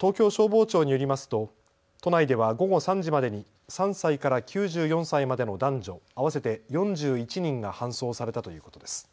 東京消防庁によりますと都内では午後３時までに３歳から９４歳までの男女合わせて４１人が搬送されたということです。